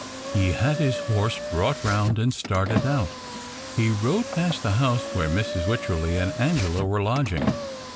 He had his horse brought round, and started out. He rode past the house where Mrs. Wycherley and Angela were lodging.